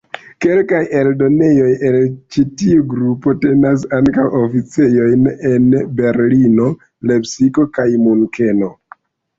Kelkaj eldonejoj el ĉi tiu grupo tenas ankaŭ oficejojn en Berlino, Lepsiko kaj Munkeno.